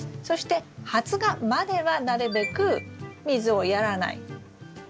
そして発芽まではなるべく水をやらない。